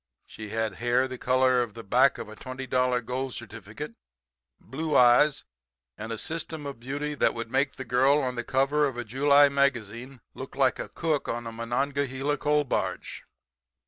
She had hair the color of the back of a twenty dollar gold certificate, blue eyes and a system of beauty that would make the girl on the cover of a July magazine look like a cook on a Monongahela coal barge.